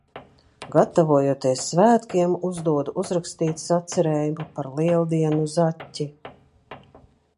Gatavojoties svētkiem, uzdodu uzrakstīt sacerējumu par Lieldienu Zaķi.